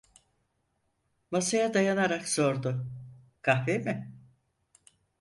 Masaya dayayarak sordu: "Kahve mi?"